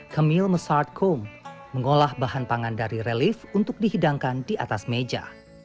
camille massard combe mengolah bahan pangan dari relif untuk dihidangkan di atas meja